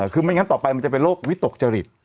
คือไม่งั้นต่อไปมันจะเป็นโรควิตกจริต